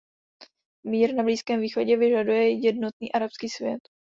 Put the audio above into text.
Mír na Blízkém východě vyžaduje jednotný arabský svět.